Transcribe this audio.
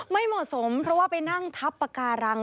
ไม่เหมาะสมเพราะว่าไปนั่งทับปากการัง